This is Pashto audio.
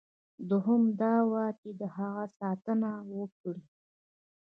دوهم دا وه چې د هغه ساتنه وکړي.